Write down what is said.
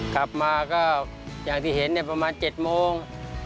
กลับมาก็อย่างที่เห็นประมาณ๗โมง